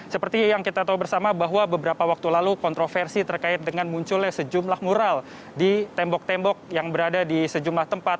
seperti yang kita tahu bersama bahwa beberapa waktu lalu kontroversi terkait dengan munculnya sejumlah mural di tembok tembok yang berada di sejumlah tempat